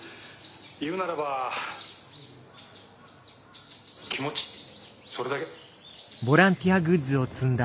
言うならば気持ちそれだけ。